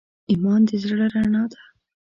ایمان د زړه رڼا ده.